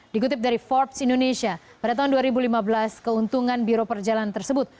dikutip dari forbes indonesia pada tahun dua ribu lima belas keuntungan biro perjalanan tersebut